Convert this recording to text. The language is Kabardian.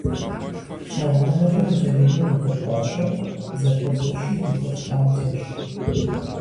ЛъагъуныгъэкӀэ узэджэну зыхуэфащэр зэфэзэщу гухэлъ къабзэщ.